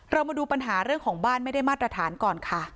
เรามาดูปัญหาเรื่องของบ้านไม่ได้มาตรฐานก่อนค่ะ